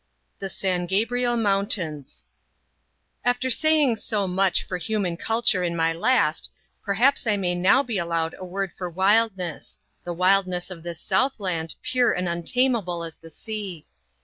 The San Gabriel Mountains After saying so much for human culture in my last, perhaps I may now be allowed a word for wildness—the wildness of this southland, pure and untamable as the sea.